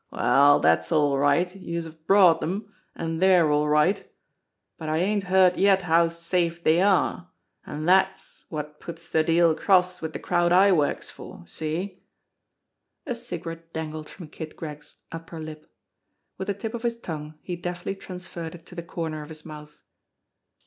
Well, dat's all right, youse've brought 'em, an' dey're all right ; but I ain't heard yet how safe dey are, an' dat's wot puts de deal across wid de crowd I works for. See?" A cigarette dangled from Kid Gregg's upper lip. With the tip of his tongue he deftly transferred it to the corner of his mouth.